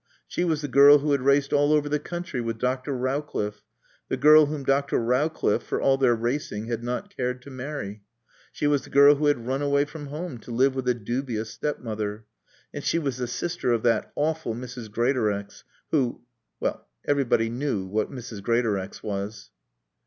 She was the girl who had raced all over the country with Dr. Rowcliffe, the girl whom Dr. Rowcliffe, for all their racing, had not cared to marry. She was the girl who had run away from home to live with a dubious step mother; and she was the sister of that awful Mrs. Greatorex, who well, everybody knew what Mrs. Greatorex was.